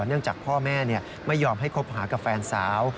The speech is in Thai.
เนื่องจากพ่อแม่ไม่ยอมให้คบหากับแฟนสาว